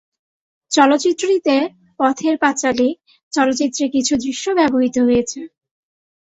চলচ্চিত্রটিতে "পথের পাঁচালী" চলচ্চিত্রের কিছু দৃশ্য ব্যবহৃত হয়েছে।